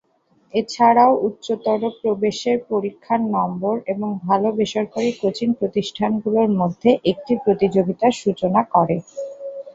এছাড়াও, উচ্চতর প্রবেশের পরীক্ষার নম্বর এবং ভালো বেসরকারি কোচিং প্রতিষ্ঠানগুলোর মধ্যে একটি প্রতিযোগিতার সূচনা করে।